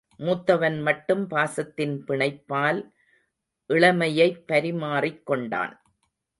மூத்தவன் மட்டும் பாசத்தின் பிணைப்பால் இளமையைப் பரிமாறிக் கொண்டான்.